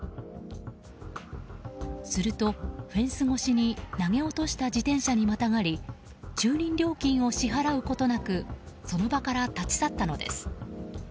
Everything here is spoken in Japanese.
するとフェンス越しに投げ落とした自転車にまたがり駐輪料金を支払うことなくその場から立ち去ったのです。